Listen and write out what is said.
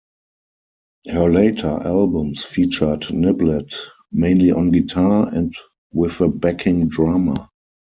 Her later albums featured Niblett mainly on guitar, and with a backing drummer.